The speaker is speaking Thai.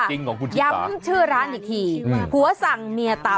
จริงของคุณย้ำชื่อร้านอีกทีผัวสั่งเมียตา